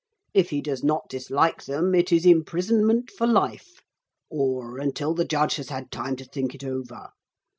If he does not dislike them it is imprisonment for life, or until the judge has had time to think it over.